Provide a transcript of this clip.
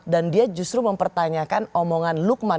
dan dia justru mempertanyakan omongan lukman